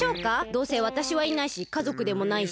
どうせわたしはいないしかぞくでもないし。